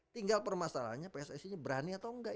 tinggal permasalahannya pssi nya berani atau enggak